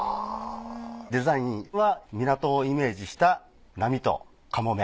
デザインは港をイメージした波とカモメ。